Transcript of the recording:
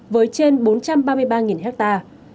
với trên bốn trăm ba mươi ba hectare